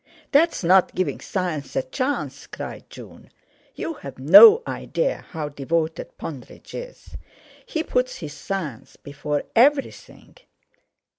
"That's not giving science a chance," cried June. "You've no idea how devoted Pondridge is. He puts his science before everything."